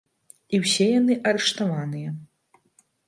І ўсе яны арыштаваныя.